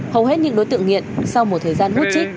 hầu hết những đối tượng nghiện sau một thời gian hút trích